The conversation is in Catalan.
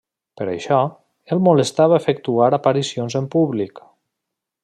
Per això, el molestava efectuar aparicions en públic.